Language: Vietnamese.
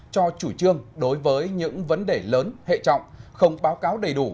cho chủ trương đối với những vấn đề lớn hệ trọng không báo cáo đầy đủ